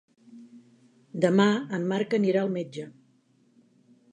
Demà en Marc anirà al metge.